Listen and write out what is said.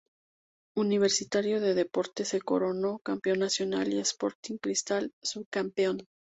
Universitario de Deportes se coronó campeón nacional y Sporting Cristal subcampeón.